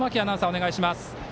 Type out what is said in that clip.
お願いします。